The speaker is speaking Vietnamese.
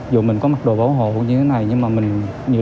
dù mình có mặc đồ bảo hộ cũng như thế này